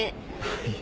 はい。